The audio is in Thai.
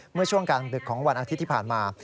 เมื่อช่วงกลางดึกของวันอาทิตย์ที่ผ่านมา